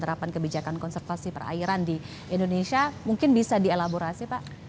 terapan kebijakan konservasi perairan di indonesia mungkin bisa dielaborasi pak